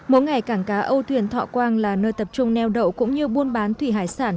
mỗi ngày cảng cá âu thuyền thọ quang là nơi tập trung neo đậu cũng như buôn bán thủy hải sản